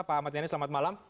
pak ahmad yani selamat malam